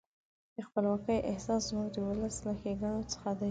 د خپلواکۍ احساس زموږ د ولس له ښېګڼو څخه دی.